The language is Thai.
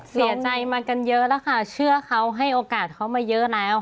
เสียใจมากันเยอะแล้วค่ะเชื่อเขาให้โอกาสเขามาเยอะแล้ว